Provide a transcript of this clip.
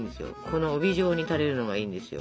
この帯状に垂れるのがいいんですよ。